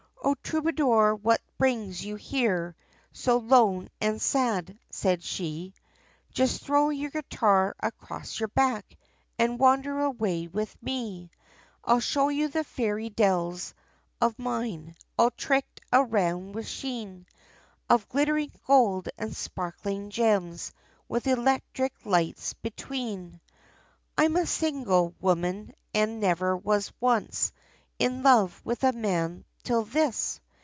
"O troubadour, what brings you here, So lone and sad?" said she, Just throw your guitar across your back, And wander away with me. I'll show you the fairy dells, of mine, All tricked around with sheen, Of glittering gold, and sparkling gems, With electric lights between. "I'm a single woman, and never was once In love, with a man, till this!"